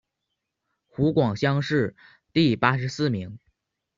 湖广乡试第八十四名。